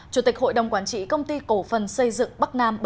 chủ tịch hội đồng quản trị công ty cổ phần xây dựng bắc nam bảy mươi chín